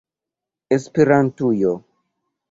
esperantujo